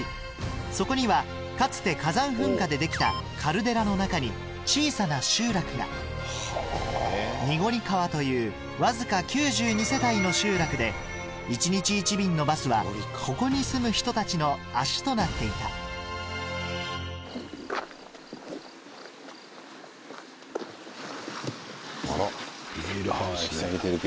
そこにはかつて火山噴火でできたカルデラの中に小さな集落が濁川というわずか９２世帯の集落で１日１便のバスはここに住む人たちの足となっていたビニールハウス。